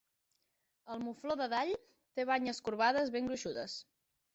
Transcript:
El mufló de Dall té banyes corbades ben gruixudes.